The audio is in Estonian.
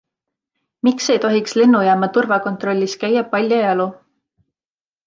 Miks ei tohiks lennujaama turvakontrollis käia paljajalu?